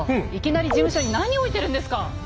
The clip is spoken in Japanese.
いきなり事務所に何置いてるんですか！